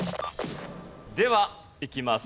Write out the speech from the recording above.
ではいきます。